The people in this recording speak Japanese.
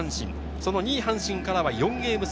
その２位・阪神から４ゲーム差。